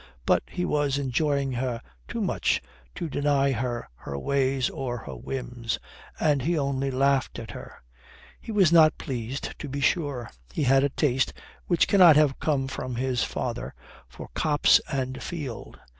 But he was enjoying her too much to deny her her ways or her whims, and he only laughed at her. He was not pleased, to be sure. He had a taste, which cannot have come from his father, for copse and field.